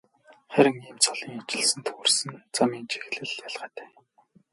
Харин ийм цолын ижилсэлд хүрсэн замын чиглэл ялгаатай.